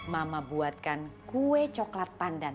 mama buatkan kue coklat pandan